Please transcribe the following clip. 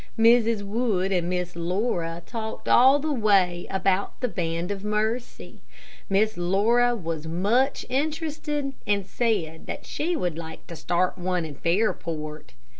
Mrs. Wood and Miss Laura talked all the way about the Band of Mercy. Miss Laura was much interested, and said that she would like to start one in Fairport.